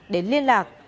để liên lạc